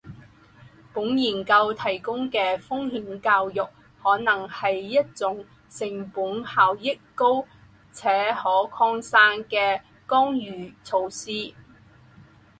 本研究提供的风险教育可能是一种成本效益高且可扩展的干预措施